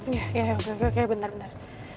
ya ya ya oke oke oke bentar bentar